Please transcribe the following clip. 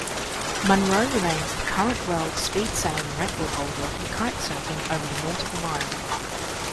Munro remains the current world speedsailing record holder for kitesurfing over the nautical mile.